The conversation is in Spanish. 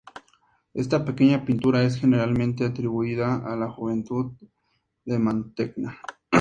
Esta pequeña pintura es generalmente atribuida a la juventud de Mantegna.